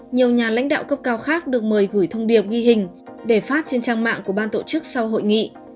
nhiều nhà lãnh đạo cấp cao khác được mời gửi thông điệp ghi hình để phát trên trang mạng của ban tổ chức sau hội nghị